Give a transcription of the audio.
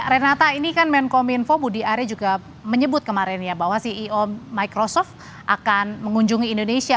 renata ini kan menkominfo budi arya juga menyebut kemarin bahwa ceo microsoft akan mengunjungi indonesia